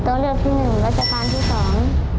ตัวเลือกที่หนึ่งรัชกาลที่สอง